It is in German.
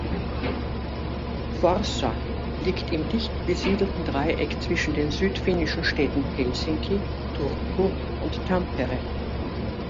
Forssa liegt im dicht besiedelten Dreieck zwischen den südfinnischen Städten Helsinki, Turku und Tampere.